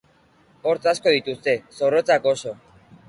Hortz asko dituzte, zorrotzak oso.